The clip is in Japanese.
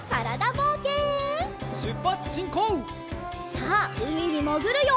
さあうみにもぐるよ！